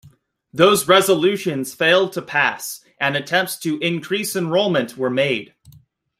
Those resolutions failed to pass, and attempts to increase enrollment were made.